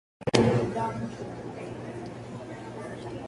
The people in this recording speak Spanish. McAdoo jugó baloncesto universitario para la Universidad de North Carolina.